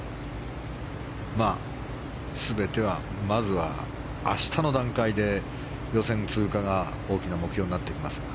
全ては、まずは明日の段階で予選通過が大きな目標となってきますが。